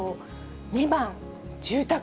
２番、住宅。